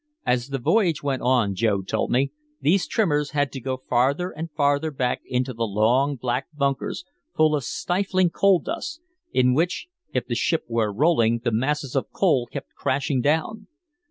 As the voyage went on, Joe told me, these trimmers had to go farther and farther back into the long, black bunkers, full of stifling coal dust, in which if the ship were rolling the masses of coal kept crashing down.